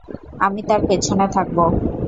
আমি তার পিছনে থাকব।